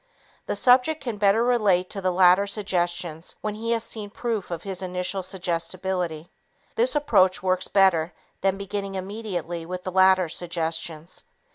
The subject can relate better to the latter suggestions when he has seen proof of his initial suggestibility. This approach works better than beginning immediately with the latter suggestions.